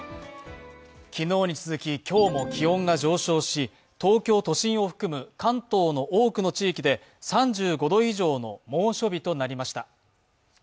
昨日に続き、今日も気温が上昇し、東京都心を含む関東の多くの地域で３５度以上の猛暑日となりました。